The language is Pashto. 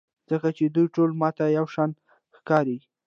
ځکه چې دوی ټول ماته یوشان ښکاري.